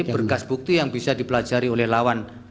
berkas bukti yang bisa dipelajari oleh lawan